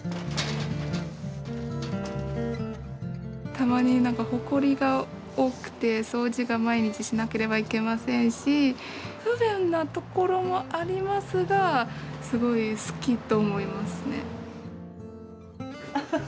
たまに何かほこりが多くて掃除が毎日しなければいけませんし不便なところもありますがすごい好きと思いますね。